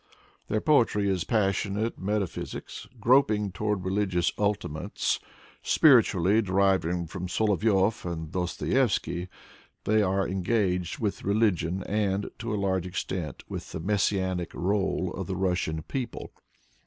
Their poetry is passionate meta / physics, groping toward religious ultimates. Spiritually / deriving from Solovyov and Dostoyevsky, they are en gaged with religion and, to a large extent, with the messianic role of the Russian people.